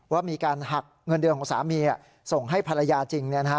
ว่ามีการหักเงินเดือนของสามีส่งให้ภรรยาจริง